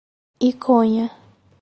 Iconha